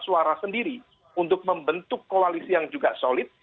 suara sendiri untuk membentuk koalisi yang juga solid